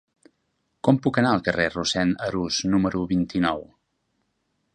Com puc anar al carrer de Rossend Arús número vint-i-nou?